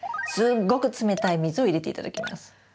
すっごく冷たい水を入れて頂きます。